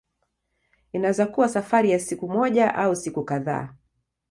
Inaweza kuwa safari ya siku moja au siku kadhaa.